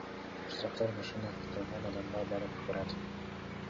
Штрафтар машина катталган адамга барып турат.